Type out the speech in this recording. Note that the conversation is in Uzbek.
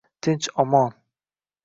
Tinch, omon…